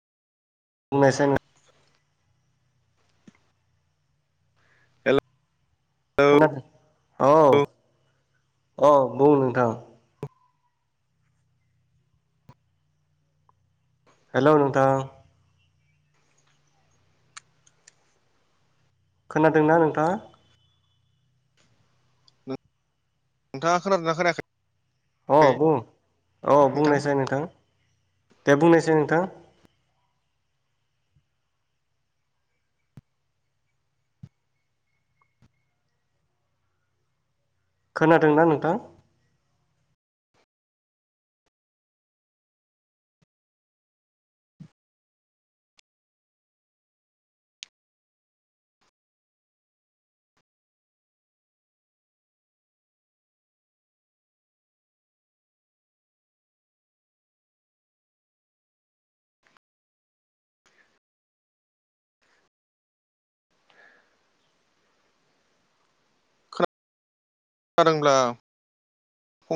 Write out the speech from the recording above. [unintelligible] hello खोनादों औ औ बुं नोंथां हेलौ नोंथा खोनादोंना नोंथाङा नोंथाङा खोनादोंना खोनायाखै अ बुं औ बुंनायसै नोंथां दे बुंनायसै नोंथां खोनादोंना नोंथां जादोंब्ला